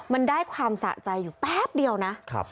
มันได้ความสะใจอยู่แป๊บเดียวนะ